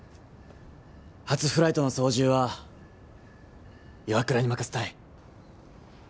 初フライトの操縦は岩倉に任すったい。